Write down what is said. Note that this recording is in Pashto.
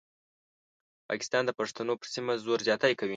پاکستان د پښتنو پر سیمه زور زیاتی کوي.